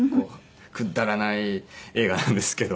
くだらない映画なんですけど。